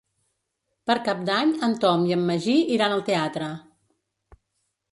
Per Cap d'Any en Tom i en Magí iran al teatre.